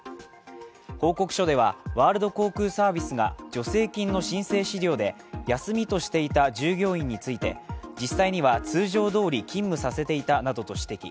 報告書では、ワールド航空サービスが助成金の申請資料で休みとしていた従業員について実際には、通常どおり勤務させていたなどと指摘。